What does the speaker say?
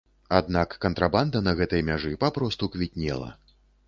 Аднак кантрабанда на гэтай мяжы папросту квітнела.